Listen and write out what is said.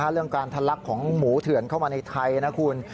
เรื่องการทะลักของหมูเถื่อนเข้ามาในไทยนะคุณ